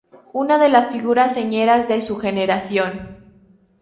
Una de las figuras señeras de su generación.